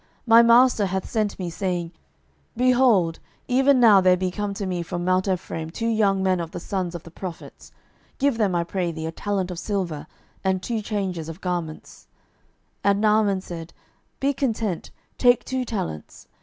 My master hath sent me, saying, Behold, even now there be come to me from mount Ephraim two young men of the sons of the prophets: give them, I pray thee, a talent of silver, and two changes of garments. 12:005:023 And Naaman said, Be content, take two talents.